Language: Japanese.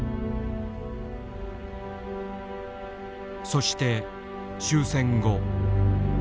そして終戦後。